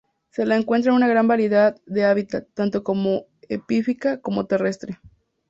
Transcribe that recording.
Se la encuentra en una gran variedad de hábitats, tanto como epífita como terrestre.